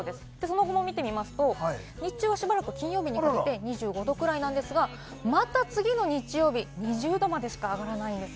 その後も見てみますと、日中は金曜日にかけて２５℃くらいなんですが、また次の日曜日に１０℃までしか上がらないんです。